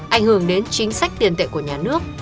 ảnh hưởng đến chính sách tiền tệ của nhà nước